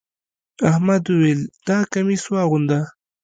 احمد وويل: دا کميس واغونده.